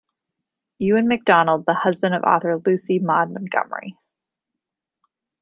Ewan Macdonald, the husband of author Lucy Maud Montgomery.